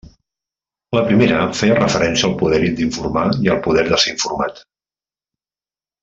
La primera, feia referència al poder d'informar i al poder de ser informat.